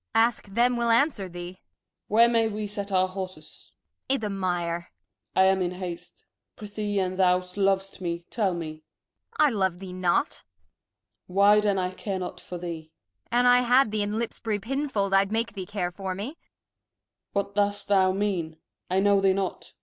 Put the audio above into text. Ask them will answer thee. Gent. Where may we set our Horses ? Kent. I'th' Mire. Gent. I am in haste, prethee an' thou lov'st me, tell me. Kent. I love thee not. Gent. Why then I care not for thee. Kent. An' I had thee in Lipsbury Pinfold, I'd make thee care for me. Gent. What do'st thou mean, I know thee not ? Kent.